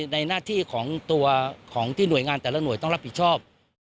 ในหน้าที่ของตัวของที่หน่วยงานแต่ละหน่วยต้องรับผิดชอบ